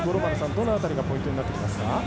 どの辺りがポイントになってきますか。